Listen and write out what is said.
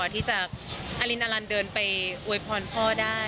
ที่จะอลินอลันเดินไปอวยพรพ่อได้